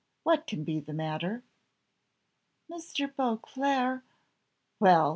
what can be the matter?" "Mr. Beauclerc " "Well!